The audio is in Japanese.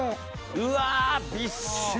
うわびっしり！